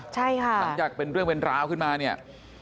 ใช่ค่ะหลังจากเป็นเรื่องเป็นราวขึ้นมาเนี่ย